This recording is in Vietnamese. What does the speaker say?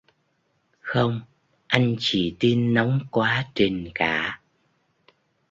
Không Anh chỉ tin nóng quá trình cả